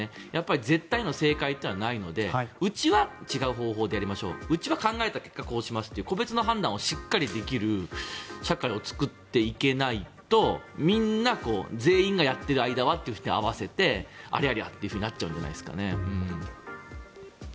絶対への正解はないのでうちは違う方法でやりましょううちは考えた結果こうしますという個別の判断をしっかりできる社会を作っていけないと、みんな全員がやっている間はと合わせてありゃりゃとなるんじゃないんですかね。